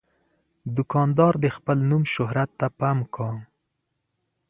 دوکاندار د خپل نوم شهرت ته پام کوي.